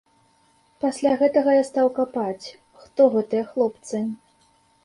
Пасля гэтага я стаў капаць, хто гэтыя хлопцы.